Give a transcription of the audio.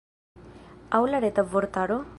Aŭ la Reta Vortaro?